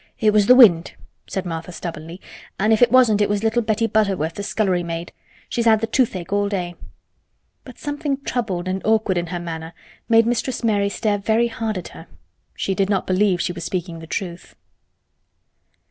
"It was th' wind," said Martha stubbornly. "An' if it wasn't, it was little Betty Butterworth, th' scullery maid. She's had th' toothache all day." But something troubled and awkward in her manner made Mistress Mary stare very hard at her. She did not believe she was speaking the truth.